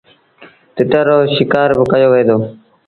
تتر رو شڪآر با ڪيو وهي دو۔